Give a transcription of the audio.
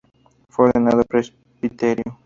Fue ordenado presbítero.